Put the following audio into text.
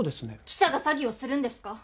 記者が詐欺をするんですか？